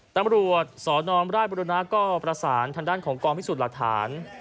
ตำรวจสนราชบุรณะก็ประสานทางด้านของกองพิสูจน์หลักฐาน